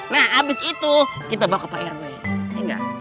nah abis itu kita bawa ke pak erno ya